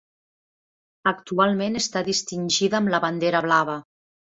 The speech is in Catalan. Actualment està distingida amb la bandera blava.